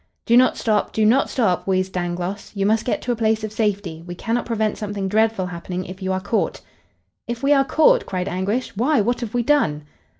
"Do not stop! Do not stop!" wheezed Dangloss. "You must get to a place of safety. We cannot prevent something dreadful happening if you are caught!" "If we are caught!" cried Anguish. "Why, what have we done?"